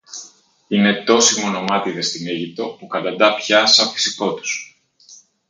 Είναι τόσοι μονομάτηδες στην Αίγυπτο, που καταντά πια σα φυσικό τους.